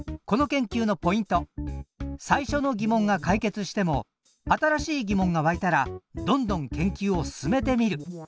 最初の疑問が解決しても新しい疑問が湧いたらどんどん研究を進めてみる。